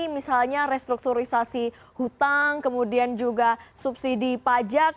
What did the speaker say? misalnya restrukturisasi hutang kemudian juga subsidi pajak